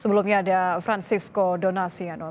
sebelumnya ada francisco donaciano terima kasih rekan rekan